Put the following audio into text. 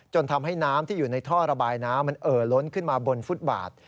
ทำให้น้ำที่อยู่ในท่อระบายน้ำมันเอ่อล้นขึ้นมาบนฟุตบาท